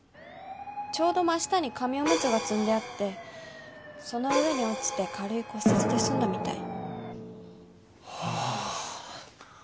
ちょうど真下に紙おむつが積んであってその上に落ちて軽い骨折で済んだみたい。